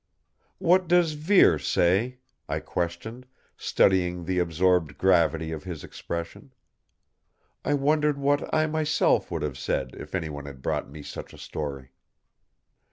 "What does Vere say?" I questioned, studying the absorbed gravity of his expression. I wondered what I myself would have said if anyone had brought me such a story.